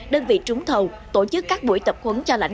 đơn vị trúng thầu tổ chức các buổi tập khuấn